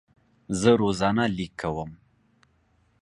زه روزانه لیک کوم.